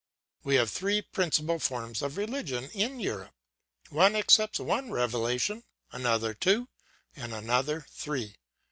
"We have three principal forms of religion in Europe. One accepts one revelation, another two, and another three.